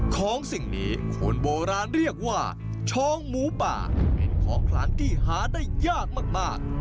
สิ่งนี้คนโบราณเรียกว่าช้องหมูป่าเป็นของขลังที่หาได้ยากมาก